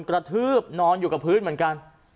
กระทืบนอนอยู่กับพื้นเหมือนกัน